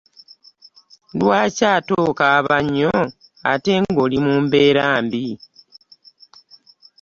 Lwaki ate okaaba nnyo ate nga oli mu mbeera mbi.